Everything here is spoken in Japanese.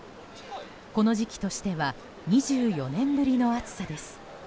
この時期としては２４年ぶりの暑さです。